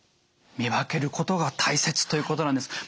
見分けることが大切ということなんです。